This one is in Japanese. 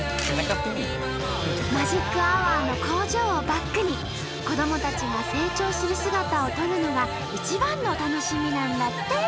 マジックアワーの工場をバックに子どもたちが成長する姿を撮るのが一番の楽しみなんだって！